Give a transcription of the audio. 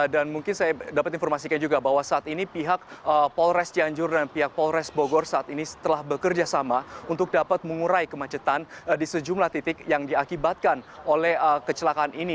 dan mungkin saya dapat informasikan juga bahwa saat ini pihak polres cianjur dan pihak polres bogor saat ini telah bekerja sama untuk dapat mengurai kemacetan di sejumlah titik yang diakibatkan oleh kecelakaan ini